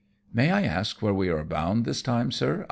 " May I ask where we are bound this time, sir